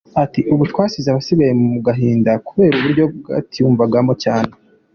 Ati “Ubu twasize basigaye mu gahinda kubera uburyo batwiyumvagamo cyane.